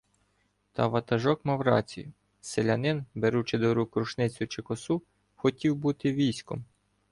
Та ватажок мав рацію: селянин, беручи до рук рушницю чи косу, хотів бути військом.